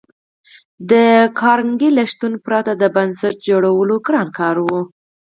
د کارنګي له شتون پرته د بنسټ جوړول ګران کار و